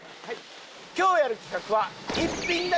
今日やる企画は。